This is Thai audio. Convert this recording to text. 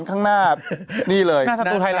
ข้างหน้านี้เลยหน้าธัตุไทยละ